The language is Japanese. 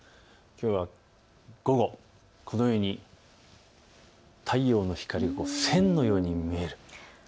きょうは午後、このように太陽の光が線のように見える。